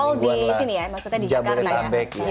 oh di sini ya maksudnya di jakarta ya